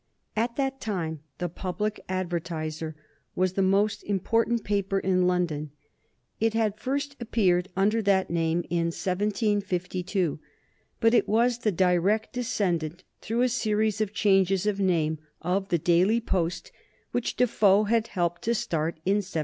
At that time the Public Advertiser was the most important paper in London. It had first appeared under that name in 1752, but it was the direct descendant, through a series of changes of name, of the Daily Post, which Defoe had helped to start in 1719.